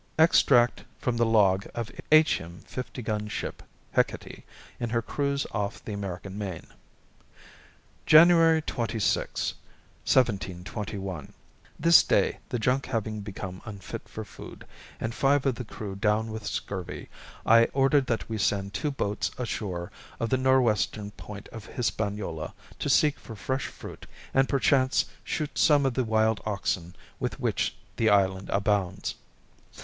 Extract from the log of H.M. fifty gun ship Hecate in her cruise off the American Main. "Jan. 26, 1721. This day, the junk having become unfit for food, and five of the crew down with scurvy, I ordered that we send two boats ashore at the nor' western point of Hispaniola, to seek for fresh fruit, and perchance shoot some of the wild oxen with which the island abounds.